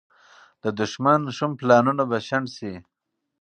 د دښمن شوم پلانونه به شنډ شي.